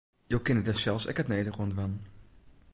Jo kinne dêr sels ek it nedige oan dwaan.